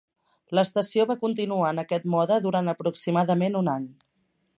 L'estació va continuar en aquest mode durant aproximadament un any.